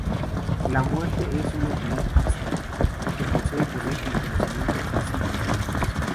La Muerte es una entidad abstracta, que posee poder y conocimiento casi infinitos.